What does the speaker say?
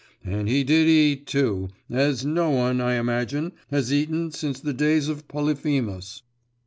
And he did eat too, as no one, I imagine, has eaten since the days of Polyphemus.